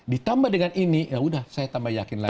ditambah dengan ini yaudah saya tambah yakin lagi